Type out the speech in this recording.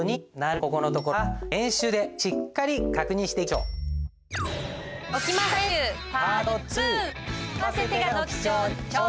ここのところは演習でしっかり確認していきましょう。